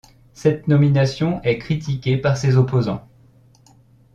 Cette nomination est critiquée par ses opposants.